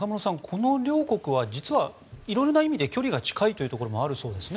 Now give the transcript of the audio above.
この両国は実は色々な意味で距離が近いというところもあるそうですね。